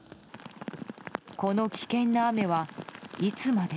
この危険な雨はいつまで？